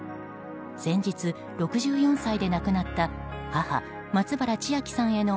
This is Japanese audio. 先日、６４歳で亡くなった母松原千明さんへの